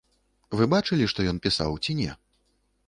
Вы бачылі, што ён пісаў, ці не?